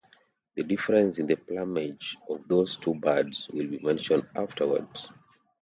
The difference in the plumage of those two birds will be mentioned afterwards.